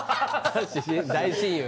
大親友